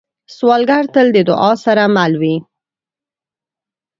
سوالګر تل د دعا سره مل وي